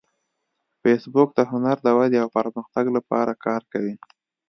فېسبوک د هنر د ودې او پرمختګ لپاره کار کوي